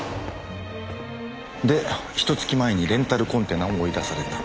でひと月前にレンタルコンテナを追い出された。